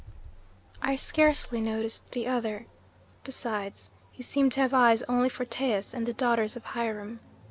"I scarcely noticed the other. Besides, he seemed to have eyes only for Taus and the daughters of Hiram.